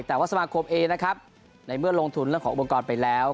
แต่ว่าสมาคมเองนะครับในเมื่อลงทุนเรื่องของอุปกรณ์ไปแล้ว